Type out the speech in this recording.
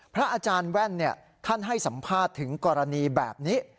พระอาจารย์แว่นท่านให้สัมภาษณ์ถึงกรณีแบบนี้